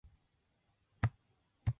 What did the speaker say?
もうあきた